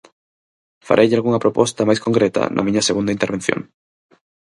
Fareille algunha proposta máis concreta na miña segunda intervención.